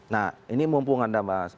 nah ini mumpung anda